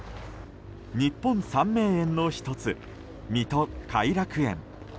日本三名園の１つ水戸偕楽園。